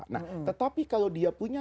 nah tetapi kalau dia punya